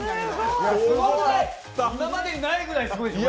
今までにないぐらいすごいでしょう。